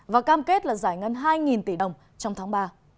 và cam kết là giải ngân hai tỷ đồng trong tháng ba